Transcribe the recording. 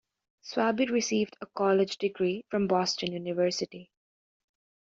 Swaby received a college degree from Boston University.